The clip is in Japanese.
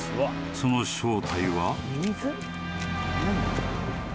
［その正体は］